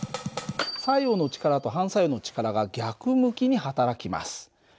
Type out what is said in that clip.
作用の力と反作用の力が逆向きにはたらきます。